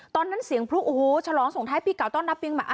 ตอนนั้นเสียงพลุโอ้โหฉลองสงท้ายปีเก่าต้อนับเบียงมา